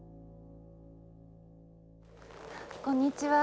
こんにちは。